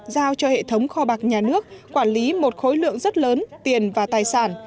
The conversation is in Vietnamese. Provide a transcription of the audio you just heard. giao cho hệ thống kho bạc nhà nước quản lý một khối lượng rất lớn tiền và tài sản